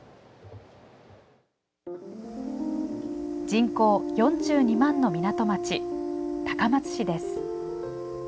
人口４２万の港町、高松市です。